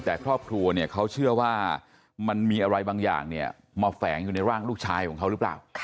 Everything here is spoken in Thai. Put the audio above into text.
แต่ครอบครัวเนี่ยเขาเชื่อว่ามันมีอะไรบางอย่างเนี่ยมาแฝงอยู่ในร่างลูกชายของเขาหรือเปล่า